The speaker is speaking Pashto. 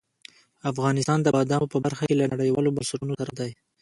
افغانستان د بادامو په برخه کې له نړیوالو بنسټونو سره دی.